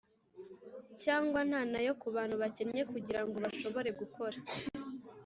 cyangwa nta nayo ku bantu bakennye kugirango bashobore gukora